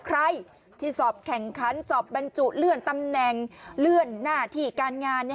ใครที่สอบแข่งขันสอบบรรจุเลื่อนตำแหน่งเลื่อนหน้าที่การงาน